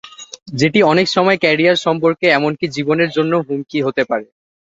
যেটি অনেক সময় ক্যারিয়ার, সম্পর্ক এমনকি জীবনের জন্যও হুমকি হতে পারে।